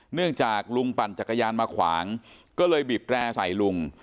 เนื่องจากลุงปั่นจักรยานมาขวางก็เลยบีบแร่ใส่ลุง